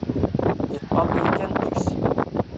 Yeṭṭalay kan deg-s.